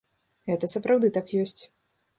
Гэта сапраўды так ёсць.